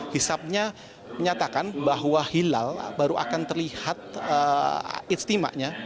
hisapnya menyatakan bahwa hilal baru akan terlihat istimewanya